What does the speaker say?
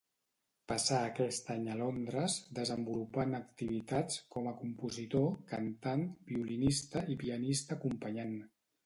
Passà aquest any a Londres desenvolupant activitats com a compositor, cantant, violinista i pianista acompanyant.